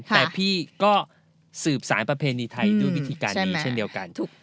แต่พี่ก็สืบสารประเพณีไทยด้วยวิธีการนี้เช่นเดียวกัน